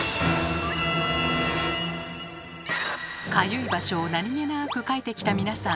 かゆい場所を何気なくかいてきた皆さん。